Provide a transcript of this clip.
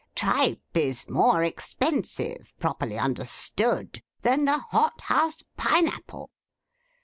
Tripe is more expensive, properly understood, than the hothouse pine apple.